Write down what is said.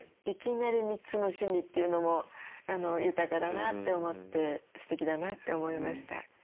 いきなり３つの趣味というのも豊かだなって思ってすてきだなって思いました。